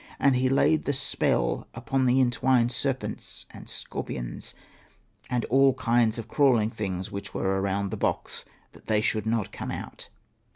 And he laid the spell upon the en twined serpents and scorpions and all kinds of crawling things which were around the box, that they should not come out.